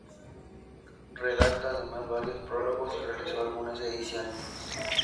Redactó además varios prólogos y realizó algunas ediciones.